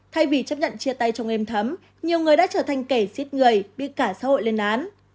thay vì chấp nhận chia tay trong êm thấm nhiều người đã trở thành kẻ giết người bị cả xã hội lên án